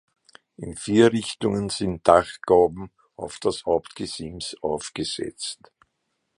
In vier Richtungen sind Dachgauben auf das Hauptgesims aufgesetzt.